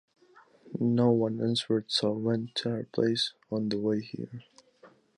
No one answered, so I went to her place on the way here.